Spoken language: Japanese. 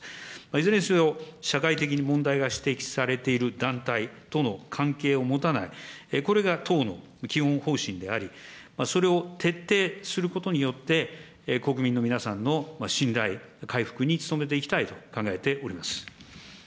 いずれにせよ、社会的に問題が指摘されている団体との関係を持たない、これが党の基本方針であり、それを徹底することによって、国民の皆さんの信頼回復に努めていきたいと考えております。